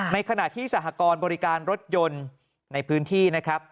ในขณะที่สหกรณ์บริการรถยนต์ในพื้นที่นะครับ